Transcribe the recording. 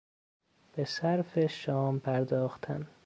به صرف شام پرداختن